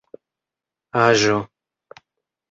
aĵo